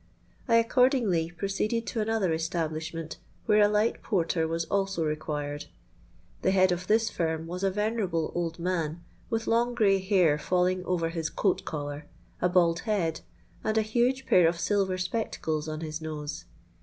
I accordingly proceeded to another establishment where a light porter was also required. The head of this firm was a venerable old man, with long grey hair falling over his coat collar, a bald head, and a huge pair of silver spectacles on his nose.